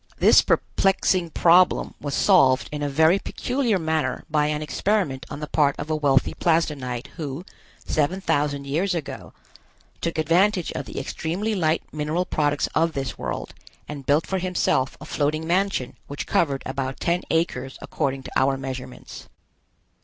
This perplexing problem was solved in a very peculiar manner by an experiment on the part of a wealthy Plasdenite, who, seven thousand years ago, took advantage of the extremely light mineral products of this world and built for himself a floating mansion which covered about ten acres according to our measurements.